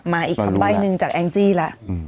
มาอีกคำใบ้หนึ่งจากแองจี้แล้ว